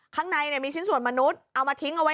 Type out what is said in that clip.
ข้างในมีชิ้นส่วนมนุษย์เอามาทิ้งเอาไว้